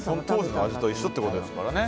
当時の味と一緒ってことですからね。